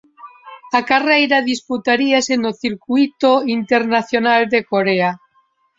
A carreira disputaríase no Circuíto Internacional de Corea.